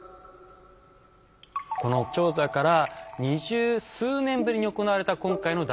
この調査から二十数年ぶりに行われた今回の大規模調査。